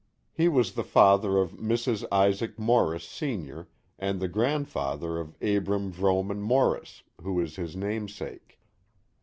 He was the father of Mrs. Isaac Morris, Sr., and the grandfather of Abram Vrooman Morris, who is his namesake.